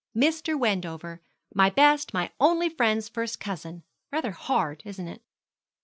Mr. Wendover, my best, my only friend's first cousin. Rather hard, isn't it?'